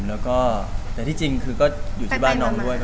แล้วก็แต่ที่จริงคือก็อยู่ที่บ้านน้องด้วย